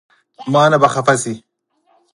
مانه به خفه شې